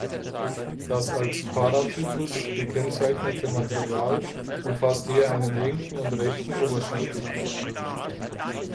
Das als Paratypus gekennzeichnete Material umfasst je einen linken und rechten Oberschenkelknochen.